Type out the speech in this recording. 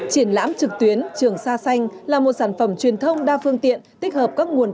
triển lãm trực tuyến trường sa xanh là một sản phẩm truyền thông đa phương tiện tích hợp các nguồn